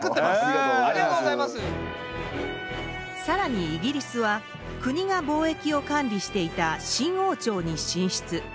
さらにイギリスは国が貿易を管理していた清王朝に進出。